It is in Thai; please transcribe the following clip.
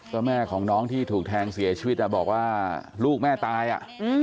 ก็แม่ของน้องที่ถูกแทงเสียชีวิตอ่ะบอกว่าลูกแม่ตายอ่ะ